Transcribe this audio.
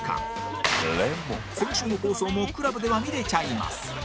先週の放送も ＣＬＵＢ では見れちゃいます